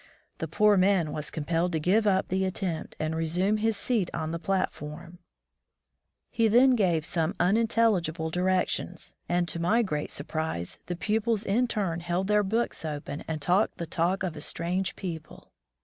The poor man was compelled to give up the attempt and resume his seat on the platform. 22 My First School Days He then gave some unintelligible directions, and, to my great surprise, the pupils in turn held their books open and talked the talk of a strange people.